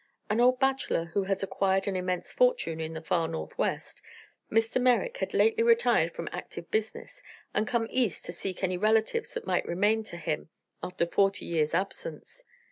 An old bachelor who had acquired an immense fortune in the far Northwest, Mr. Merrick had lately retired from active business and come East to seek any relatives that might remain to him after forty years' absence.